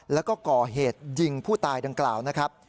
แล้วก็ก่อเหตุยิงผู้ตายดังกล่าวนะครับ